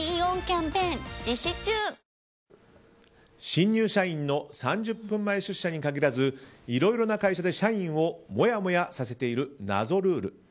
新入社員の３０分前出社に限らずいろいろな会社で社員をもやもやさせている謎ルール。